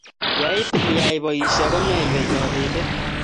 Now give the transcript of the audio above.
Yeitil iyai posyoi ko meiywei kabetet.